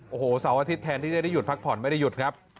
โอ้โหเสาร์อาทิตย์แทนที่จะได้หยุดพักผ่อนไม่ได้หยุดครับ